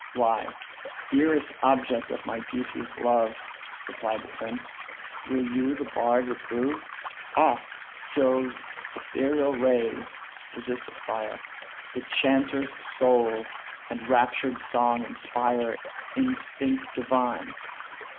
"Why, dearest object of my duteous love, (Replied the prince,) will you the bard reprove? Oft, Jove's ethereal rays (resistless fire) The chanter's soul and raptured song inspire Instinct divine?